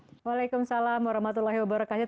wa'alaikumsalam warahmatullahi wabarakatuh